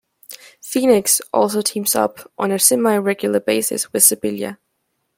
Phenix also teams up on a semi-regular basis with Sibilla.